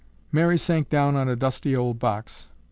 Mary sank down on a dusty old box.